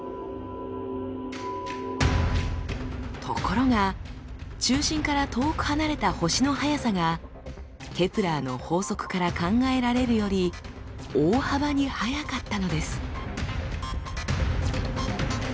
ところが中心から遠く離れた星の速さがケプラーの法則から考えられるより大幅に速かったのです。